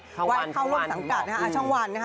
ช่องวันถูกบอกอืมวันเข้าลบสังกัดนะฮะช่องวันนะฮะ